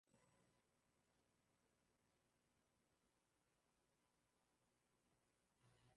Alivyopiga chenga na kupitisha mpira kwa wengine kwasababu